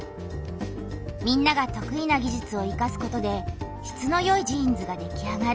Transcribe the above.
みんなが得意な技術をいかすことで質のよいジーンズができあがる。